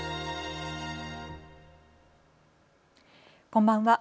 こんばんは。